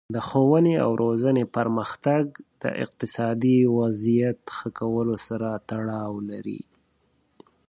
د ښوونې او روزنې پرمختګ د اقتصادي وضعیت ښه کولو سره تړاو لري.